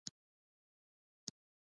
طرزالعملونه کاري لارښوونې دي